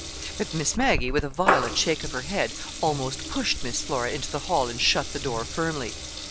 But Miss Maggie, with a violent shake of her head, almost pushed Miss Flora into the hall and shut the door firmly.